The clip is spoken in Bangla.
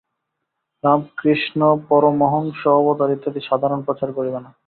রামকৃষ্ণ পরমহংস অবতার ইত্যাদি সাধারণে প্রচার করিবে না।